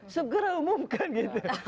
segera umumkan gitu